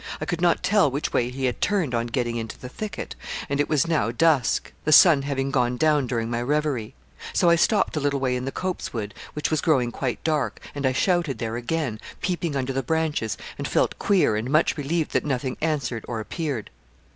I could not tell which way he had turned on getting into the thicket; and it was now dusk, the sun having gone down during my reverie. So I stopped a little way in the copsewood, which was growing quite dark, and I shouted there again, peeping under the branches, and felt queer and much relieved that nothing answered or appeared.